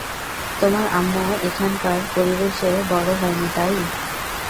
তোমার আম্মু এখানকার পরিবেশে বড় হয়নি তাই।